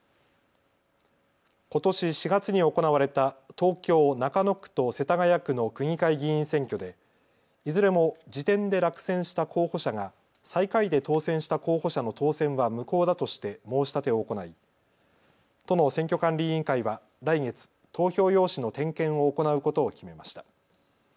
ことし４月に行われた東京中野区と世田谷区の区議会議員選挙でいずれも次点で落選した候補者が最下位で当選した候補者の当選は無効だとして申し立てを行い、都の選挙管理委員会は来月、投票用紙の点検を行うことを決めました。